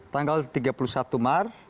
tanggal tiga puluh satu maret